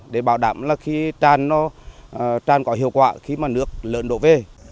để bảo đảm tràn có hiệu quả khi nước lợn độ v